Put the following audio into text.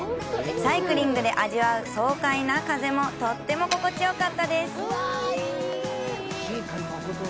サイクリングで味わう爽快な風もとっても心地よかったです。